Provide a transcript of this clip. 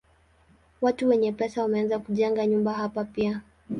Watu wenye pesa wameanza kujenga nyumba hapa pia.